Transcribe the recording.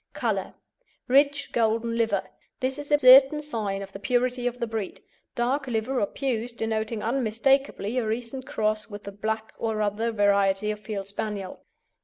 COLOUR Rich golden liver; this is a certain sign of the purity of the breed, dark liver or puce denoting unmistakably a recent cross with the black or other variety of Field Spaniel.